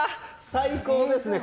最高ですね！